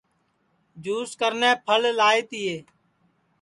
جُس کرنے پھل لائے تیئے